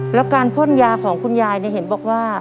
แล้วการพ่นยาของคุณยายเห็นบอกว่า